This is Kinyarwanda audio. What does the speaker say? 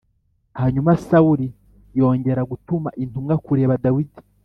Hanyuma Sawuli yongera gutuma intumwa kureba Dawidi